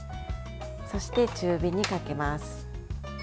そして、中火にかけます。